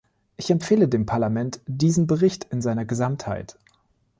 Ich empfehle dem Parlament diesen Bericht in seiner Gesamtheit.